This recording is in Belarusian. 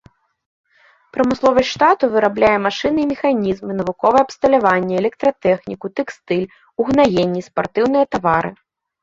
Прамысловасць штату вырабляе машыны і механізмы, навуковае абсталяванне, электратэхніку, тэкстыль, угнаенні, спартыўныя тавары.